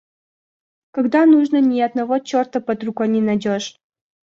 Когда нужно ни одного чёрта под рукой не найдешь.